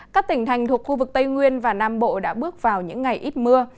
các tỉnh thành thuộc khu vực tây nguyên và nam bộ đã bước vào những ngày ít mưa